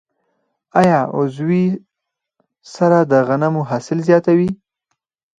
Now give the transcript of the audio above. آیا عضوي سره د غنمو حاصل زیاتوي؟